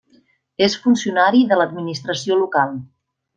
És funcionari de l'administració local.